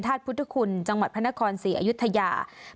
ธาตุพุทธคุณจังหวัดพระนครสี่อายุทยา